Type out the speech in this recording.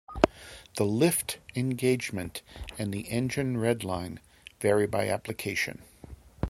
The "lift" engagement and the engine redline vary by application.